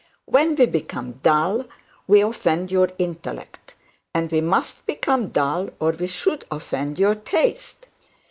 When we become dull we offend your intellect; and we must become dull or we should offend your taste.